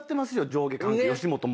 上下関係吉本も。